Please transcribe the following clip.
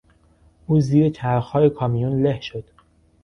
او زیر چرخهای کامیون له شد.